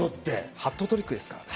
ハットトリックですからね。